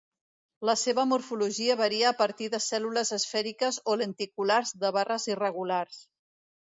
La seva morfologia varia a partir de cèl·lules esfèriques o lenticulars de barres irregulars.